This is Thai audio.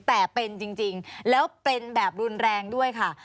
แต่เป็นจริงแล้วเป็นแบบรุนแรงด้วยค่ะ